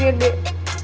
gue kan keselak